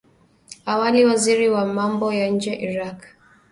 Awali waziri wa mambo ya nje wa Iraq